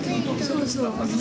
そうそう。